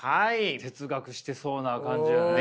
哲学してそうな感じやね。